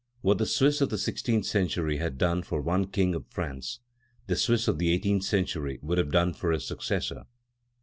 What the Swiss of the sixteenth century had done for one King of France, the Swiss of the eighteenth century would have done for his successor.